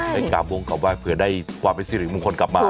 ไปกราบวงกราบไห้เผื่อได้ความเป็นสิริมงคลกลับมา